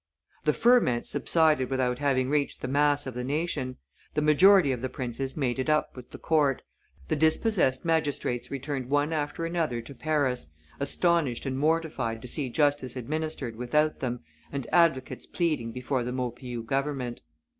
The ferment subsided without having reached the mass of the nation; the majority of the princes made it up with the court, the dispossessed magistrates returned one after another to Paris, astonished and mortified to see justice administered without them and advocates pleading before the Maupeou Parliament.